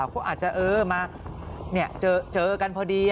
เขาอาจจะมาเจอกันพอดี